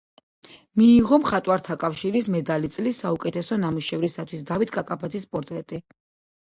მიიღო მხატვართა კავშირის მედალი წლის საუკეთესო ნამუშევრისათვის „დავით კაკაბაძის პორტრეტი“.